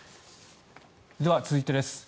では、続いてです。